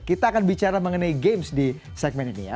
kita akan bicara mengenai games di segmen ini ya